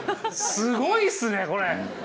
すごいっすねこれ。